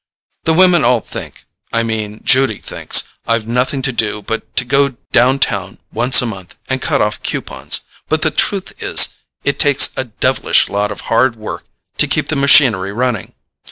The women all think—I mean Judy thinks—I've nothing to do but to go downtown once a month and cut off coupons, but the truth is it takes a devilish lot of hard work to keep the machinery running.